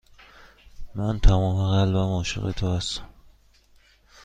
من تمام قلبم عاشق تو هستم.